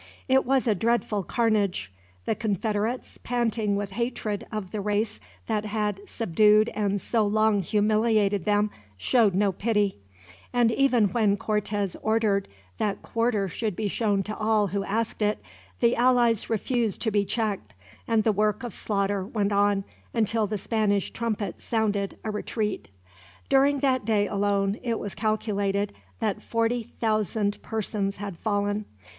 It was a dreadful carnage. The confederates, panting with hatred of the race that had subdued and so long humiliated them, showed no pity; and even when Cortez ordered that quarter should be shown to all who asked it, the allies refused to be checked, and the work of slaughter went on until the Spanish trumpets sounded a retreat. During that day, alone, it was calculated that forty thousand persons had fallen.